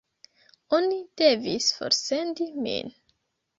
Oni devis forsendi min.